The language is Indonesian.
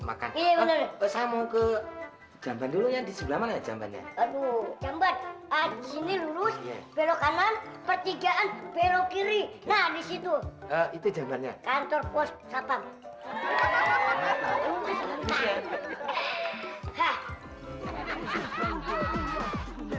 makan makan dulu yang di sebelah mana jambannya jambat jambat belok kanan